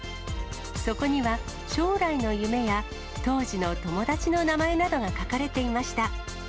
そこには、将来の夢や当時の友達の名前などが書かれていました。